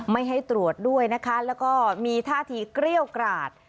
ไม่ให้ตรวจด้วยนะคะแล้วก็มีท่าทีเกรี้ยวกราด